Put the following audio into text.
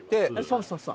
そうそうそう。